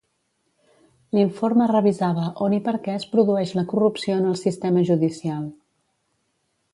L'informe revisava on i per què es produeix la corrupció en el sistema judicial.